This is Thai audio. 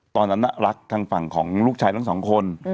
ตอนนั้นรักทางฝั่งของลูกชายทั้งสองคน